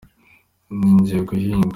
Njyiye guhinga.